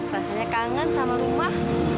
rasanya kangen sama rumah